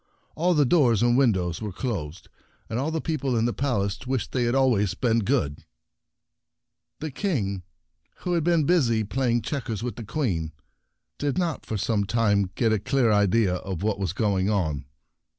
All the doors and windows were closed, and all the people in the Palace wished they had always been good. and the Dragons 35 The King, who had been busy playing checkers with the Queen, did not for some time get a clear idea of what was going on.